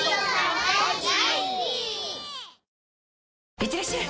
いってらっしゃい！